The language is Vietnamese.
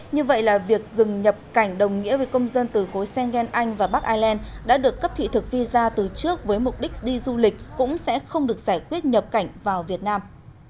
như vậy là việc dừng nhập cảnh đồng nghĩa với công dân từ khối sengen anh và bắc ireland đã được cấp thị thực visa từ trước với mục đích đi du lịch cũng sẽ không được giải quyết nhập cảnh vào việt nam